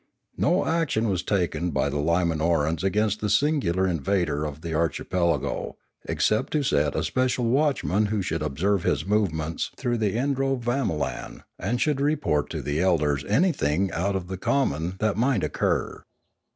No action was taken by the Limanorans against the singular invader of the archipelago, except to set a special watchman who should observe his movements through the idrovamo Another Threat 489 lan, and should report to the elders anything out of the common that might occur.